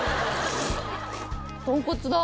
豚骨だ！